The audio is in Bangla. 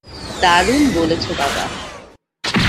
দারুণ বলেছ, বাবা।